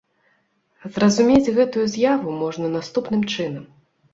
Зразумець гэтую з'яву можна наступным чынам.